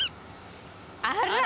あら！